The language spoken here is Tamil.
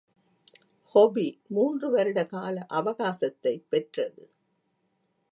Hobby, மூன்று-வருட கால அவகாசத்தைப் பெற்றது.